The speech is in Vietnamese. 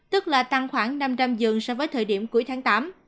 tức là tăng khoảng năm trăm linh giường so với thời điểm cuối tháng tám